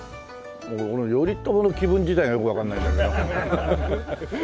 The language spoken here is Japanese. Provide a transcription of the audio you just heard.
俺頼朝の気分自体がよくわかんないからなハハハ。